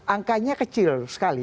angkanya kecil sekali